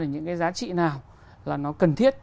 những cái giá trị nào là nó cần thiết